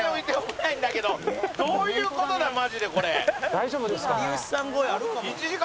大丈夫ですかね？